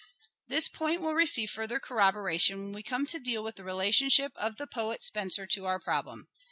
This point will receive further corroboration when we come to deal with the relation ship of the poet Spenser to our problem.